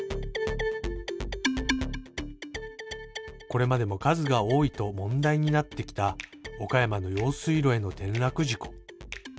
これまでも数が多いと問題になってきた岡山の用水路への転落事故